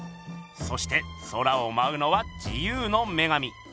そして空をまうのは自由の女神。